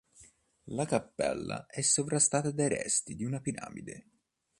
La cappella è sovrastata dai resti di una piramide.